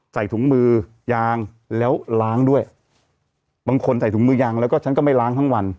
ใส่ถุงมือยางแล้วล้างด้วยบางคนใส่ถุงมือยางแล้วก็ฉันก็ไม่ล้างทั้งวัน